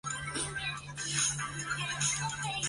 很大程度上促成音乐游戏的发展。